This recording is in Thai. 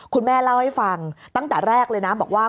คุณแม่เล่าให้ฟังตั้งแต่แรกเลยนะบอกว่า